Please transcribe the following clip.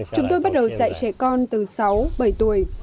chúng tôi bắt đầu dạy trẻ con từ sáu bảy tuổi